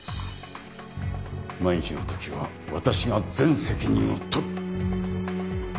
万一の時は私が全責任を取る。